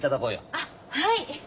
あっはい。